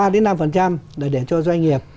đến năm là để cho doanh nghiệp